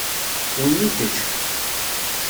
Wi i kečč.